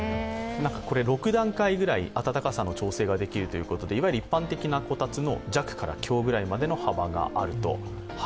６段階ぐらい、温かさの調節ができるということでいわゆる一般的なこたつの弱から強ぐらいまでの幅があると。